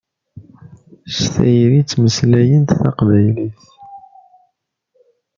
S tayri i ttmeslayent taqbaylit.